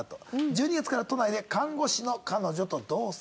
１２月から都内で看護師の彼女と同棲中。